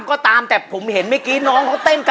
เก็บด้วยป่ะ